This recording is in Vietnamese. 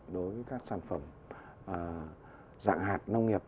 đối với các sản phẩm dạng hạt nông nghiệp